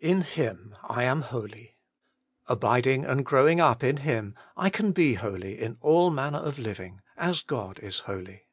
In Him I am holy ; abiding and growing up in Him, I can be holy in all manner of living, as God is holy.